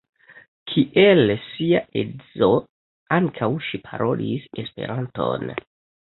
Kiel sia edzo, ankaŭ ŝi parolis Esperanton.